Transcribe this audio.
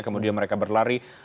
kemudian mereka berlari